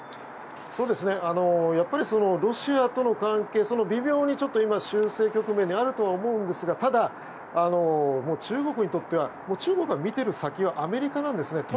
やっぱりロシアとの関係微妙に修正局面にあるとは思うんですがただ、中国にとっては中国が見ている先はアメリカなんですね。